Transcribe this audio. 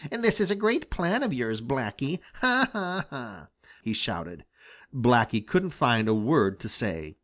This is a great plan of yours, Blacky! Ha, ha, ha!" he shouted. Blacky couldn't find a word to say.